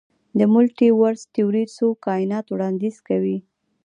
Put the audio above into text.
د ملټي ورس تیوري څو کائنات وړاندیز کوي.